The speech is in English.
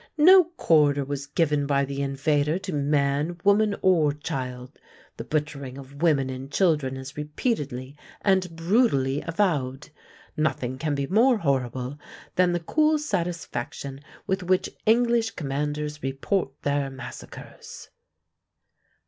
No quarter was given by the invader to man, woman, or child. The butchering of women and children is repeatedly and brutally avowed. Nothing can be more horrible than the cool satisfaction with which English commanders report their massacres."